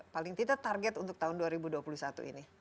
paling tidak target untuk tahun dua ribu dua puluh satu ini